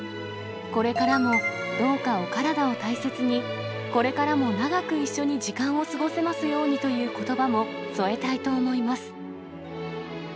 これからもどうかお体を大切に、これからも長く一緒に時間を過ごせますようにということばも、添えたいと思います。